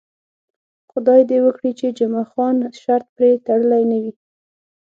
خدای دې وکړي چې جمعه خان شرط پرې تړلی نه وي.